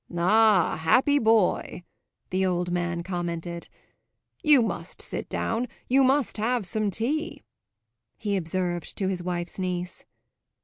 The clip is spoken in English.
"Ah, happy boy!" the old man commented. "You must sit down you must have some tea," he observed to his wife's niece.